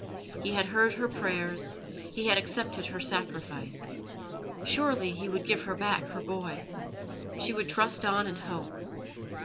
He had heard her prayers, He had accepted her sacrifice. Surely He would give her back her boy. She would trust on and hope.